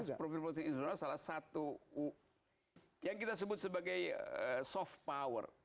ya profil politik internasional salah satu yang kita sebut sebagai soft power